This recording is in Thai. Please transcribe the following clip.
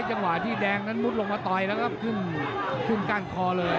จังหวะที่แดงนั้นมุดลงมาต่อยแล้วก็ขึ้นก้านคอเลย